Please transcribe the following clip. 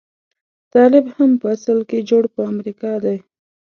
طالب هم په اصل کې جوړ په امريکا دی.